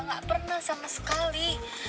gak pernah sama sekali